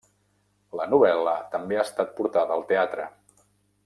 La novel·la també ha estat portada al teatre.